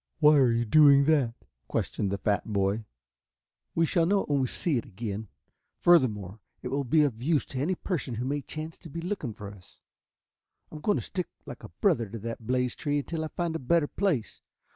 "Why are you doing that?" questioned the fat boy. "We shall know it when we see it again. Furthermore, it will be of use to any person who may chance to be looking for us. I am going to stick like a brother to that blazed tree until I find a better place.